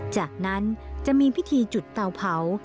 จากนั้นจะมีพิธีจุดเตาเผา